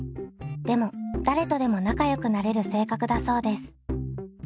でも誰とでも仲よくなれる性格だそうです。